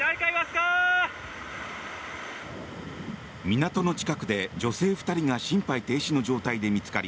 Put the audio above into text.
港の近くで女性２人が心肺停止の状態で見つかり